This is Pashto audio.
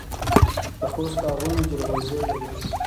د خوست باغونه جلغوزي لري.